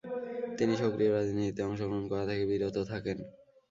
তিনি সক্রিয় রাজনীতিতে অংশগ্রহণ করা থেকে বিরত থাকেন।